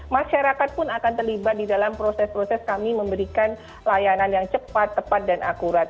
masyarakat pun akan terlibat di dalam proses proses kami memberikan layanan yang cepat tepat dan akurat